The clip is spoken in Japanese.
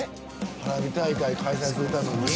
花火大会開催するために？